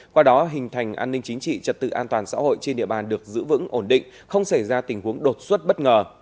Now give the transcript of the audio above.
qua đó hình thành an ninh chính trị trật tự an toàn xã hội trên địa bàn được giữ vững ổn định không xảy ra tình huống đột xuất bất ngờ